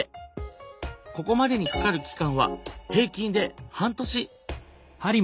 ここまでにかかる期間は平均で半年！